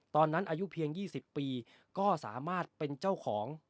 อายุเพียง๒๐ปีก็สามารถเป็นเจ้าของ